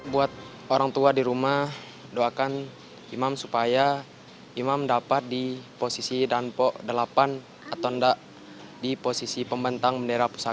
buat orang tua di rumah doakan imam supaya imam dapat di posisi danpo delapan atau enggak di posisi pembentang bendera pusaka